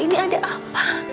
ini ada apa